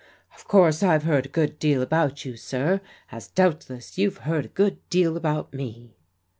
" Of course' I've heard a good deal about you, sir, as doubtless you've heard a good deal about me."